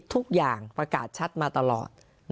ทุกอย่างประกาศชัดมาตลอด